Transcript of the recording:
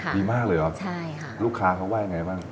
ดีมากเลยหรอลูกค้าเขาว่ายังไงบ้าง